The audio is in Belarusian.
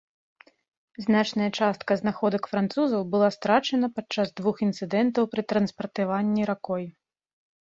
Значная частка знаходак французаў была страчана падчас двух інцыдэнтаў пры транспартаванні ракой.